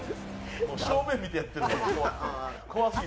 正面見てやってる。